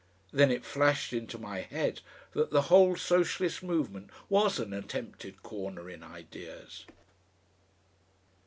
Then it flashed into my head that the whole Socialist movement was an attempted corner in ideas....